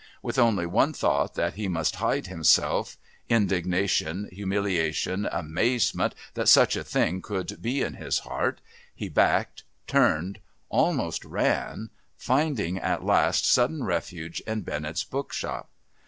With only one thought that he must hide himself, indignation, humiliation, amazement that such a thing could be in his heart, he backed, turned, almost ran, finding at last sudden refuge in Bennett's book shop.